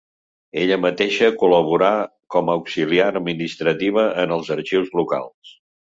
Ella mateixa col·laborà com a auxiliar administrativa en els arxius locals.